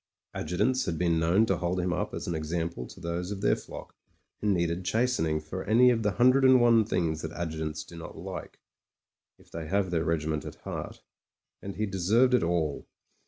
Adjutants had been known to hold him up as an example to those of their flock who needed chasten ing for any of the hundred and one things that adjutants do not like — ^if they have their regiment at heart. And he deserved it all.